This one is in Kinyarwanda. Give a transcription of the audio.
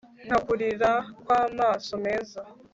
Nka kurira kwamaso meza